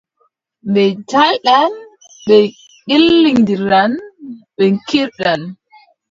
Ɓe njaldan, ɓe ngillindiran, ɓe kiirdan.